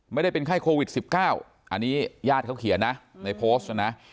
ไม่ได้เป็นไข้โควิด๑๙อันนี้ญาติเขาเขียนนะในโพสต์นะ